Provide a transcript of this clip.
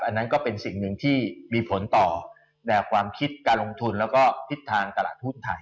อันนั้นก็เป็นสิ่งหนึ่งที่มีผลต่อแนวความคิดการลงทุนแล้วก็ทิศทางตลาดหุ้นไทย